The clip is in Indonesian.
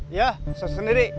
iya saya sendiri